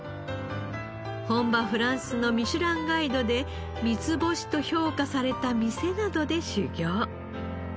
本場フランスのミシュランガイドで三つ星と評価された店などで修業。